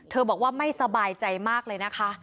บอกว่าไม่สบายใจมากเลยนะคะ